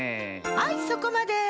はいそこまで！